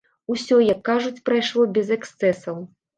Усё, як кажуць, прайшло без эксцэсаў.